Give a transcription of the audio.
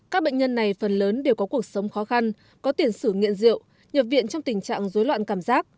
các bệnh nhân này phần lớn đều có cuộc sống khó khăn có tiền sử nghiện rượu nhập viện trong tình trạng dối loạn cảm giác